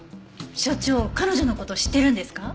所長彼女の事知ってるんですか？